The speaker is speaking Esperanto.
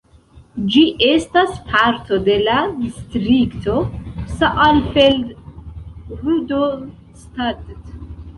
Ĝi estas parto de la distrikto Saalfeld-Rudolstadt.